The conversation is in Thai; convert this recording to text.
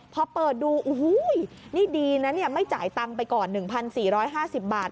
พอเปิดดูโอ้โหนี่ดีนะไม่จ่ายตังค์ไปก่อน๑๔๕๐บาท